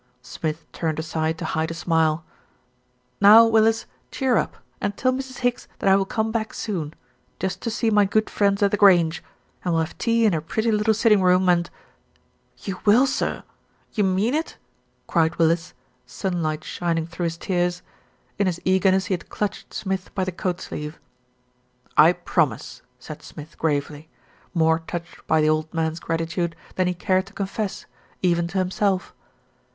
Smith turned aside to hide a smile. "Now, Willis, cheer up, and tell Mrs. Higgs that I will come back soon, just to see my good friends at The Grange, and we'll have tea in her pretty little sit ting room and " "You will, sir? You mean it?" cried Willis, sun light shining through his tears. In his eagerness he had clutched Smith by the coat sleeve. "I promise," said Smith gravely, more touched by the old man's gratitude than he cared to confess, even to himself.